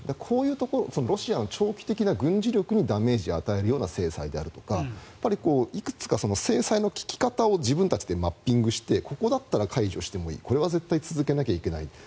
こういうところロシアの長期的な軍事力にダメージを与える制裁であるとかいくつか制裁の効き方を自分たちでマッピングしてここだったら解除してもいいこれは絶対に続けないといけない。